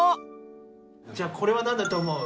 じゃあこれはなんだと思う？